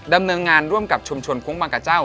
ดำเนินงานร่วมกับชุมชนคุ้งบางกะเจ้า